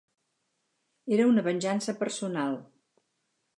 Era una venjança personal.